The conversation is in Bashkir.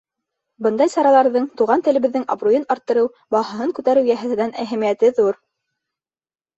Бындай сараларҙың туған телебеҙҙең абруйын арттырыу, баһаһын күтәреү йәһәтенән әһәмиәте ҙур.